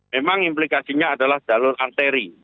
memang implikasinya adalah jalur arteri